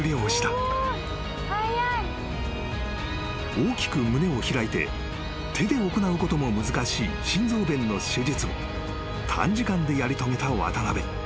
［大きく胸を開いて手で行うことも難しい心臓弁の手術を短時間でやり遂げた渡邊］